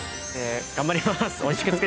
頑張ります。